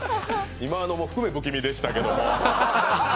今のも含め不気味でしたけど。